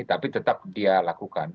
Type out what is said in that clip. tapi tetap dia lakukan